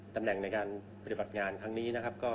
ตำแหน่งในการปฏิบัติงานครั้งนี้นะครับ